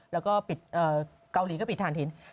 แล้วก็ปิดเกาหลีก็ปิดฐานถิ่น